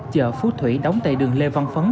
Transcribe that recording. chợ phú thủy đóng tại đường lê văn phấn